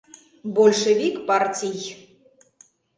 — Большевик партий...